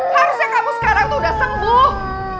harusnya kamu sekarang tuh udah sembuh